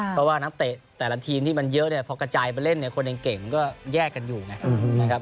เพราะว่านักเตะแต่ละทีมที่มันเยอะเนี่ยพอกระจายไปเล่นเนี่ยคนเก่งก็แยกกันอยู่ไงนะครับ